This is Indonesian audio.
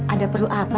ada perlu apa ya bu ya